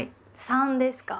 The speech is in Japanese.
三ですか？